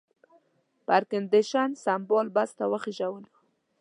په ایرکنډېشن سمبال بس ته وخېژولو.